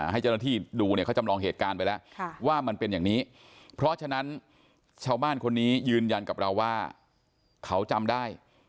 ให้เจ้าหน้าที่ดูเนี่ยเขาจำลองเหตุการณ์ไปแล้วว่ามันเป็นอย่างนี้เพราะฉะนั้นชาวบ้านคนนี้ยืนยันกับเราว่าเขาจำได้